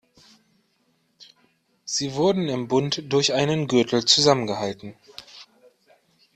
Sie wurden im Bund durch einen Gürtel zusammengehalten.